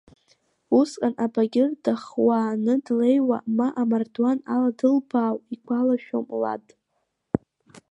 Усҟан абагьыр дахууааны длеиу, ма амардуан ала дылбаау игәалашәом Лад.